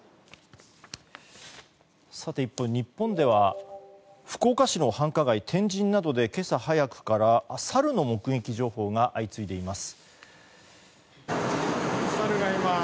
一方、日本では福岡市の繁華街・天神などで今朝早くからサルの目撃情報が相次いでいます。